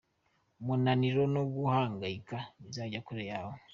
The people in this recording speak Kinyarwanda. Umunaniro no guhangayika bizanjya kure yawe.